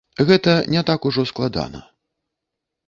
Гэтак не так ужо складана.